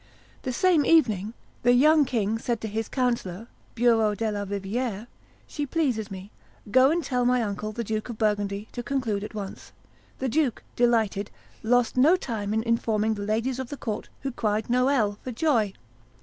The same evening, the young king said to his councillor, Bureau de la Riviere, "She pleases me: go and tell my uncle, the Duke of Burgundy, to conclude at once." The duke, delighted, lost no time in informing the ladies of the court, who cried, "Noel!" for joy.